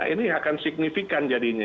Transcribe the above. ini akan signifikan jadinya